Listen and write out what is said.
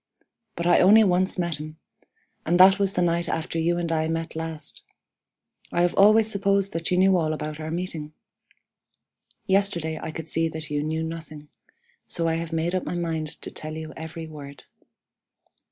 But I only once met him, and that was the night after you and I met last. I have always supposed that you knew all about our meeting. Yesterday I could see that you knew nothing. So I have made up my mind to tell you every word.